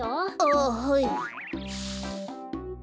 あはい。